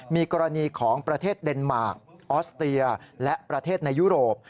มีกรณีของประเทศเดนมาร์คออสเตียและประเทศในยุโรป